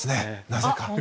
なぜか。